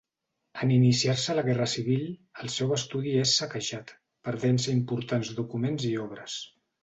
En iniciar-se la Guerra Civil, el seu estudi és saquejat, perdent-se importants documents i obres.